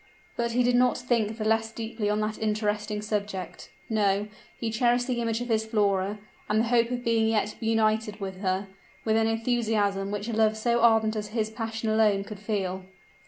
But he did not think the less deeply on that interesting subject. No; he cherished the image of his Flora, and the hope of being yet united to her, with an enthusiasm which a love so ardent as his passion alone could feel.